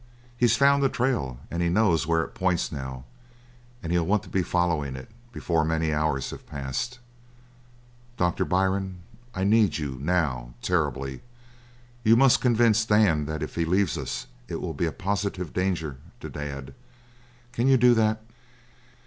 "He's found the trail and he knows where it points, now. And he'll want to be following it before many hours have passed. Doctor Byrne, I need you now terribly. You must convince Dan that if he leaves us it will be a positive danger to Dad. Can you do that?"